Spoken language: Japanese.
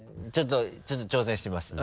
ちょっと挑戦してみます。